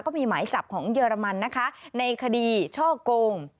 ก็มีหมายจับของเยอรมันนะคะในคดีช่อกง